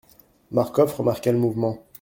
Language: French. Marcof remarqua le mouvement.